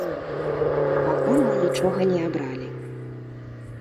Пакуль мы нічога не абралі.